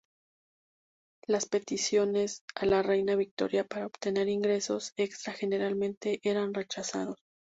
Las peticiones a la Reina Victoria para obtener ingresos extra generalmente eran rechazados.